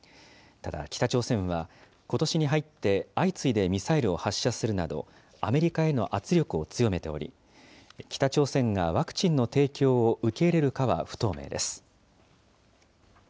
ただ、北朝鮮はことしに入って相次いでミサイルを発射するなど、アメリカへの圧力を強めており、北朝鮮がワクチンの提供を受け入れるかは不透明です。